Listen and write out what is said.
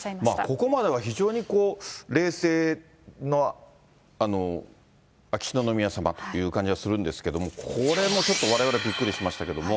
ここまでは非常に冷静な秋篠宮さまという感じがするんですけど、これもちょっとわれわれびっくりしましたけれども。